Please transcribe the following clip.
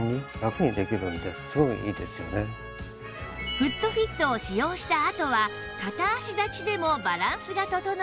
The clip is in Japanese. フットフィットを使用したあとは片足立ちでもバランスが整い